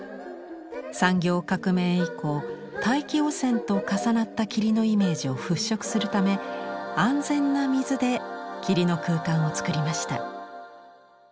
産業革命以降大気汚染と重なった霧のイメージを払拭するため安全な水で霧の空間を作りました。